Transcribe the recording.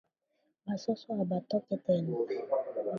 Ba soso abatoke tena